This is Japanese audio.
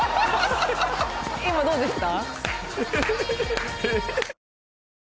今どうでした？